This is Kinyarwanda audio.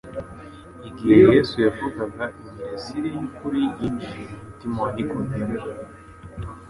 Igihe Yesu yavugaga, imirasire y'ukuri yinjiye mu mutima wa Nikodemu.